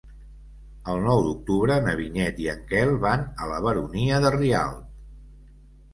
El nou d'octubre na Vinyet i en Quel van a la Baronia de Rialb.